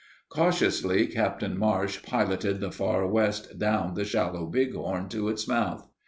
Cautiously, Captain Marsh piloted the Far West down the shallow Bighorn to its mouth.